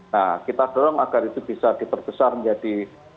nah kita dorong agar itu bisa diperbesar menjadi